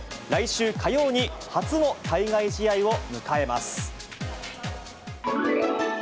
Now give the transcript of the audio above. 来週火曜に初の対外試合を迎えます。